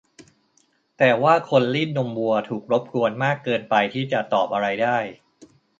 แต่ว่าคนรีดนมวัวถูกรบกวนมากเกินไปที่จะตอบอะไรได้